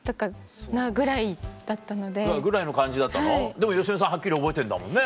でも芳根さんはっきり覚えてんだもんね。